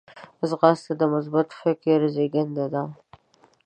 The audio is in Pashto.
ځغاسته د مثبت فکر زیږنده ده